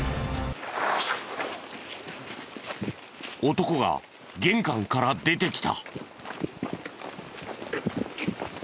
男が玄関から出てきた。